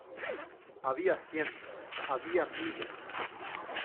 había cientos, había miles.